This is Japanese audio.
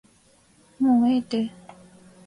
もうええて